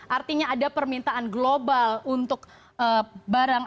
artinya ada permintaan global untuk barang